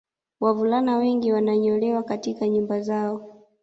Wavulana wengi wananyolewa katika nyumba zao